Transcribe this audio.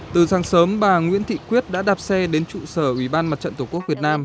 từ sáng sớm bà nguyễn thị quyết đã đạp xe đến trụ sở ủy ban mặt trận tổ quốc việt nam